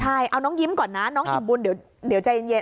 ใช่เอาน้องยิ้มก่อนนะน้องอิ่มบุญเดี๋ยวใจเย็น